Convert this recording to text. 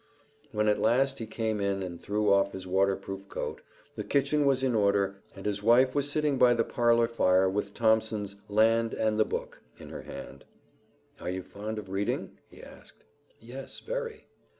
When at last he came in and threw off his waterproof coat, the kitchen was in order and his wife was sitting by the parlor fire with Thomson's "Land and the Book" in her hand. "Are you fond of reading?" he asked. "Yes, very."